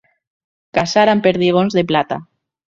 Caçar amb perdigons de plata.